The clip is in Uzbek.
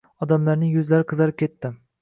Odamlarning yuzlari qizarib ketdi.